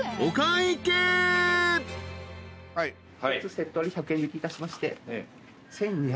セット割り１００円引きいたしまして。